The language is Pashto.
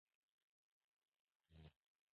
لاسونه پر تندي مه ږده.